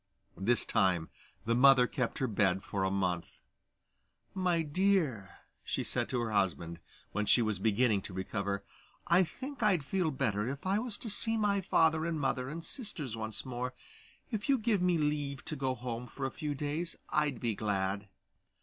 This time the mother kept her bed for a month. 'My dear,' said she to her husband, when she was beginning to recover, 'I think I'd feel better if I was to see my father and mother and sisters once more. If you give me leave to go home for a few days I'd be glad.